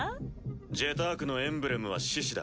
ジェタークのエンブレムは獅子だ。